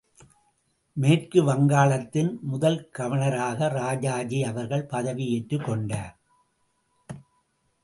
மேற்கு வங்காளத்தின் முதல் கவர்னராக ராஜாஜி அவர்கள் பதவி ஏற்றுக்கொண்டார்.